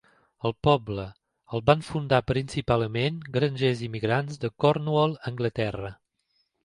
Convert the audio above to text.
El poble el van fundar principalment grangers immigrants de Cornwall, Anglaterra.